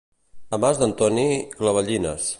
A Mas d'en Toni, clavellines.